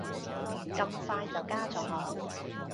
咁快就加咗我